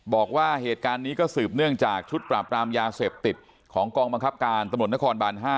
บอกว่าเหตุการณ์นี้ก็สืบเนื่องจากชุดปราบรามยาเสพติดของกองบังคับการตำรวจนครบาน๕